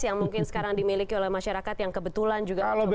yang mungkin sekarang dimiliki oleh masyarakat yang kebetulan juga mencobos dua atau apa